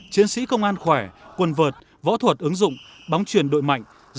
chiến sĩ công an khỏe quần vợt võ thuật ứng dụng bóng truyền đội mạnh